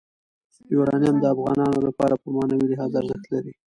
یورانیم د افغانانو لپاره په معنوي لحاظ ارزښت لري.